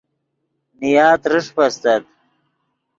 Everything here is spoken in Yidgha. نیا ترݰپ استت